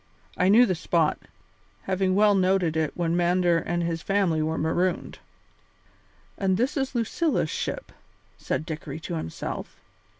I knew the spot, having well noted it when Mander and his family were marooned." "And this is Lucilla's ship," said Dickory to himself.